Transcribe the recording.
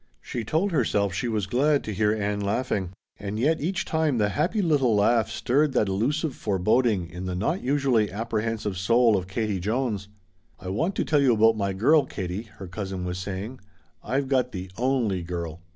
She told herself she was glad to hear Ann laughing; and yet each time the happy little laugh stirred that elusive foreboding in the not usually apprehensive soul of Katie Jones. "I want to tell you about my girl, Katie," her cousin was saying. "I've got the only girl."